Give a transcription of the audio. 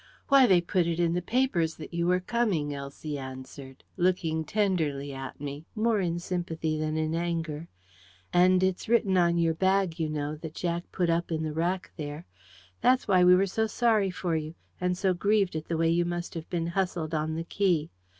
"Why, they put it in the papers that you were coming," Elsie answered, looking tenderly at me, more in sympathy than in anger. "And it's written on your bag, you know, that Jack put up in the rack there... That's why we were so sorry for you, and so grieved at the way you must have been hustled on the quay.